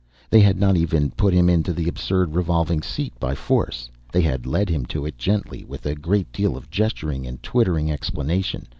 They had not even put him into the absurd revolving seat by force; they had led him to it gently, with a great deal of gesturing and twittered explanation.